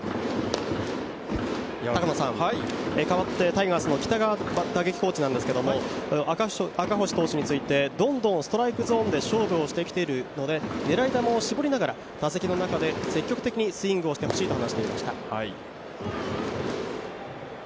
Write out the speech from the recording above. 変わって、タイガースの北川打撃コーチなんですけれども、赤星投手について、どんどんストライクゾーンで、勝負をしてきているので、狙い球を絞りながら積極的にスイングをしてほしいと話していました。